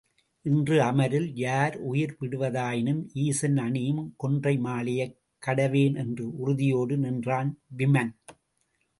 இன்று அமரில் யார் உயிர் விடுவதாயினும் ஈசன் அணியும் கொன்றை மாலையைக் கடவேன் என்று உறுதியோடு நின்றான் விமன்.